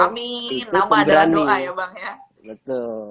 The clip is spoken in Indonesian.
amin nama adalah doa ya bang ya